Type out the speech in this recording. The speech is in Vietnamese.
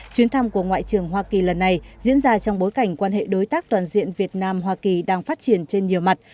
chuyến thăm của ngoại trưởng hoa kỳ lần này diễn ra trong bối cảnh quan hệ đối tác toàn diện việt nam hoa kỳ đang phát triển trên nhiều mặt